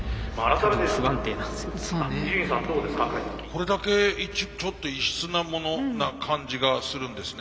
これだけちょっと異質なものな感じがするんですね。